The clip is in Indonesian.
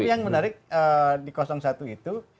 tapi yang menarik di satu itu